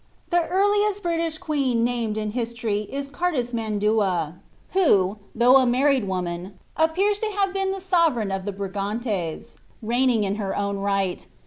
'he earliest British queen named in history Is CarlUmandua. who, lUgh a married woinun, appears lo have been the snvereign of th« iganies, reigning in her own right.